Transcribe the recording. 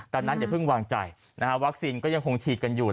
ดังนั้นอย่าเพิ่งวางใจนะฮะวัคซีนก็ยังคงฉีดกันอยู่